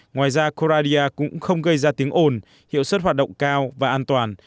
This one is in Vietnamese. ngoài ra coradia cũng không gây ra tiếng ồn hiệu suất hoạt động cao và an toàn